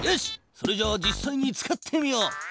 それじゃあ実さいに使ってみよう。